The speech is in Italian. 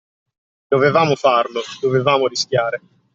Dovevamo farlo, dovevamo rischiare.